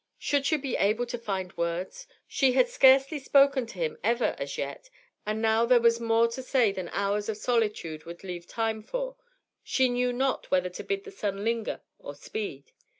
Should she be able to find words? She had scarcely spoken to him, ever, as yet, and now there was more to say than hours of solitude would leave time for. She knew not whether to bid the sun linger or speed.